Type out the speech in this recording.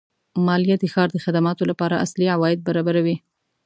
مالیه د ښار د خدماتو لپاره اصلي عواید برابروي.